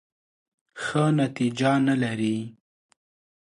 ښه نتیجه نه لري .